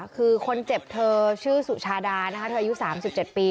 คือคนเจ็บเธอชื่อสุชาดานะคะเธออายุ๓๗ปี